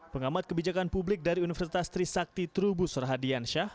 pengamat kebijakan publik dari universitas trisakti terubu surahadiansyah